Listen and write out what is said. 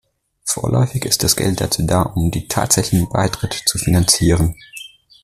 Vorläufig ist das Geld dazu da, um die tatsächlichen Beitritte zu finanzieren.